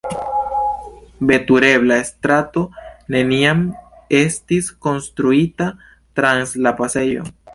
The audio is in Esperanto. Veturebla strato neniam estis konstruita trans la pasejo.